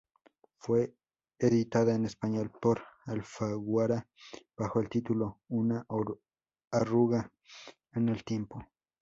Fue editada en español por Alfaguara bajo el título "Una arruga en el tiempo".